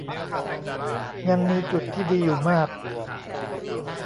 ยังมีจุดที่ดีอยู่มาก